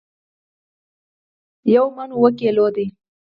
یو من اوو کیلو دي